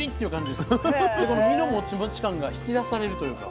でこの身のモチモチ感が引き出されるというか。